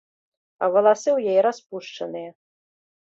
А валасы ў яе распушчаныя.